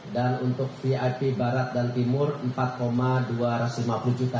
dan untuk vip barat dan timur empat dua ratus lima puluh juta